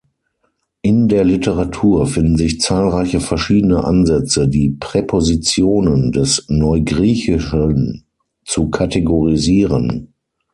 In der Literatur finden sich zahlreiche verschiedene Ansätze, die Präpositionen des Neugriechischen zu kategorisieren.